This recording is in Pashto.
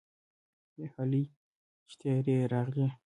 هلئ چې طيارې راغلې.